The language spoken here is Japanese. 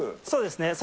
そうですね。